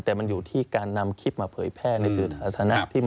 แต่มันอยู่ที่การนำคลิปมาเผยแพร่ในสื่อสาธารณะ